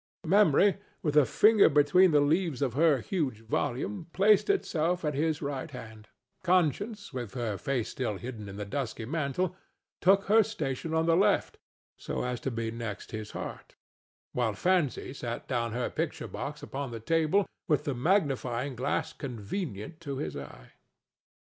Memory, with a finger between the leaves of her huge volume, placed herself at his right hand; Conscience, with her face still hidden in the dusky mantle, took her station on the left, so as to be next his heart; while Fancy set down her picture box upon the table with the magnifying glass convenient to his eye.